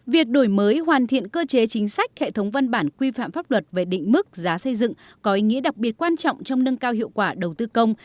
việc đổi mới hoàn thiện cơ chế chính sách hệ thống văn bản quy phạm pháp luật về định mức giá xây dựng có ý nghĩa đặc biệt quan trọng trong nâng cao hiệu quả đầu tư công